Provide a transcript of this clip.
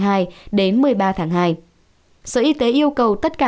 sở y tế yêu cầu tất cả các đơn vị trên địa bàn thành phố